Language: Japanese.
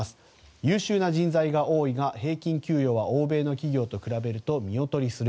優秀な人材が多いが平均給与は欧米の企業と比べると見劣りする。